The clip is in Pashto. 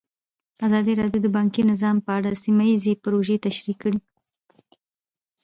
ازادي راډیو د بانکي نظام په اړه سیمه ییزې پروژې تشریح کړې.